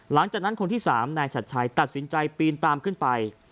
หลังจากนั้นคนที่๓นายชัดชัยตัดสินใจปีนตามขึ้นไป